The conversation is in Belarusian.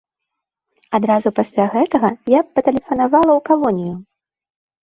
Адразу пасля гэтага я патэлефанавала ў калонію.